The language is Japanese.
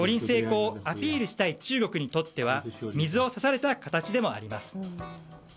成功をアピールしたい中国にとっては水を差された形でもあります。